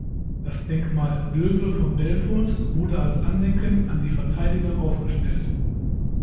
Das Denkmal Löwe von Belfort wurde als Andenken an die Verteidiger aufgestellt.